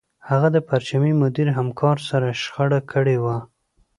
هغه د پرچمي مدیر همکار سره شخړه کړې وه